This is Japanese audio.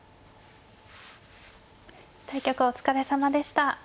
対局お疲れさまでした。